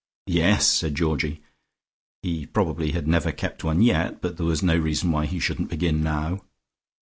"Yes," said Georgie. He probably had never kept one yet, but there was no reason why he shouldn't begin now.